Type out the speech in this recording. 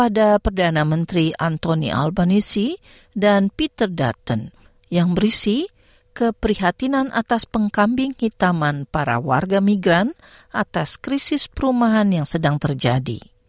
dan peter dutton yang berisi keprihatinan atas pengkambing hitaman para warga migran atas krisis perumahan yang sedang terjadi